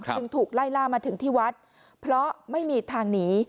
ถูกไล่ล่ามาถึงที่วัดเพราะไม่มีทางหนี